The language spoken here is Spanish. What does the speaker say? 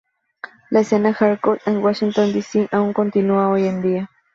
La escena hardcore en Washington D. C. aún continúa hoy en día.